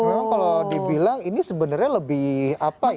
memang kalau dibilang ini sebenarnya lebih apa ya